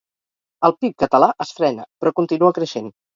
El pib català es frena però continua creixent